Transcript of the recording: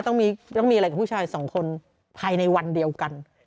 ต้องมีอะไรกับผู้ชายสองคนภายในวันเดียวกัน